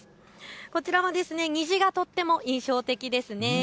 こちらは虹がとても印象的ですね。